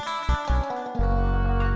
bu yola pak sain